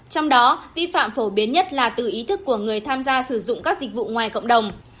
trong đó vi phạm phổ biến nhất là từ ý thức của người tham gia sử dụng các dịch vụ ngoài cộng đồng